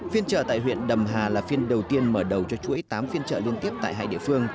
phiên chợ tại huyện đầm hà là phiên đầu tiên mở đầu cho chuỗi tám phiên trợ liên tiếp tại hai địa phương